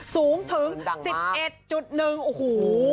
สูงถึง๑๑โอ้โห